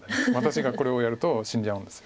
私がこれをやると死んじゃうんです。